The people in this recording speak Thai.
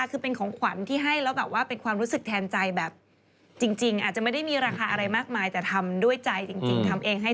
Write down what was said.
คือเป็นของขวัญที่ให้แล้วเป็นความรู้สึกแทนใจแบบจริง